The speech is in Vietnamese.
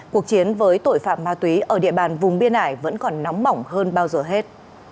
cuộc chiến với tội phạm ma túy ở địa bàn vùng biên ải vẫn còn nóng mỏng hơn bao giờ hết